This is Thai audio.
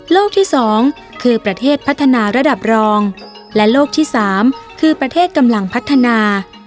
ที่๒คือประเทศพัฒนาระดับรองและโลกที่๓คือประเทศกำลังพัฒนา